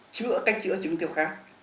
cách chữa chứng tiêu khát